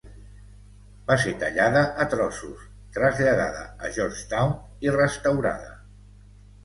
Va ser tallada a trossos, traslladada a Georgetown i restaurada.